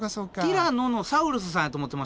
ティラノのサウルスさんやと思ってました。